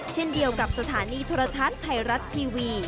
เช่นเดียวกับสถานีโทรทัศน์ไทยรัฐทีวี